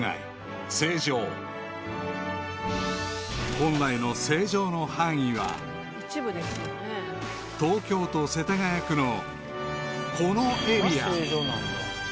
［本来の成城の範囲は東京都世田谷区のこのエリア］